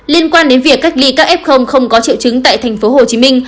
liên quan đến việc cách ly các f không có triệu chứng tại tp hcm